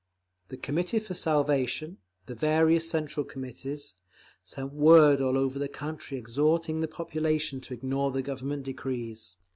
The Committee for Salvation, the various Central Committees, sent word all over the country, exhorting the population to ignore the Government decrees.